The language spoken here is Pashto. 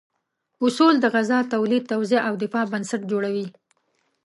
اصول د غذا تولید، توزیع او دفاع بنسټ جوړوي.